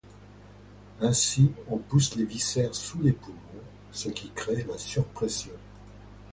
Ainsi, on pousse les viscères sous les poumons, ce qui crée la surpression.